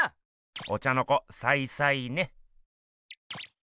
お茶の子サイサイね。